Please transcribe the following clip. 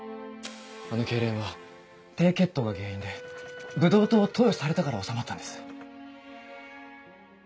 あの痙攣は低血糖が原因でブドウ糖を投与されたから治まったんです。